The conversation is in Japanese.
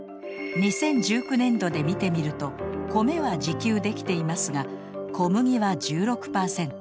２０１９年度で見てみると米は自給できていますが小麦は１６％